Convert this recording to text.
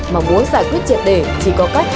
mà muốn giải quyết triệt để chỉ có cách